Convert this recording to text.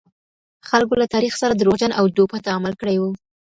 خلګو له تاریخ سره دروغجن او دوپه تعامل کړی و.